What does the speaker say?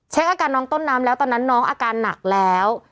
อาการน้องต้นน้ำแล้วตอนนั้นน้องอาการหนักแล้ว